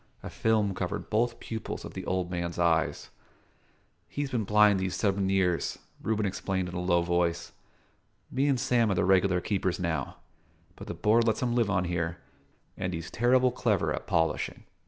A film covered both pupils of the old man's eyes. "He've been blind these seven years," Reuben explained in a low voice. "Me and Sam are the regular keepers now; but the Board lets him live on here, and he's terrible clever at polishing."